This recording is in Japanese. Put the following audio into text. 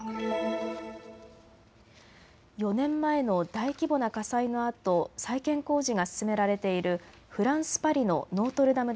４年前の大規模な火災のあと再建工事が進められているフランス・パリのノートルダム